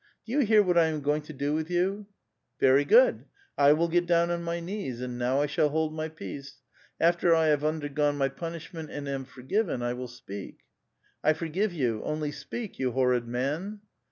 Do you hear what I am going to do with vou?" *' Very good ; I will get down on my knees ; and now I shall hold my pi^ace. After 1 have undergone my punish ment and am forgiven, I will speak." '' I forgive you ; only speak, you horrid man